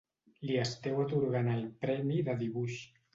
Li esteu atorgant el premi de dibuix.